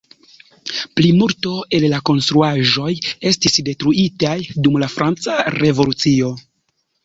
Plimulto el la konstruaĵoj estis detruitaj dum la franca revolucio.